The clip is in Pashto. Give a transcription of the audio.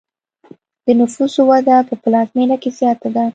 د نفوسو وده په پلازمینه کې زیاته ده.